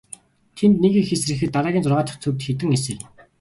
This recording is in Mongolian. Тэнд нэг эс сэрэхэд дараагийн зургаа дахь төвд хэдэн эс сэрнэ.